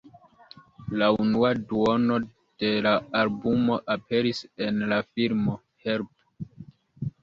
La unua duono de la albumo aperis en la filmo "Help!